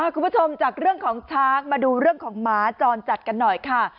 คุณผู้ชมจากเรื่องของช้างมาดูเรื่องของหมาจรจัดกันหน่อยค่ะ